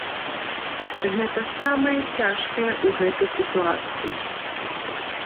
Гэта самае цяжкое ў гэтай сітуацыі.